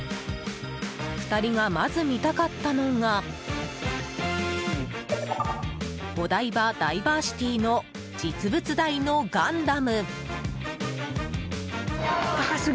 ２人がまず見たかったのがお台場ダイバーシティの実物大のガンダム。